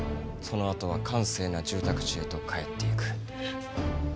そのあとは閑静な住宅地へと帰っていく。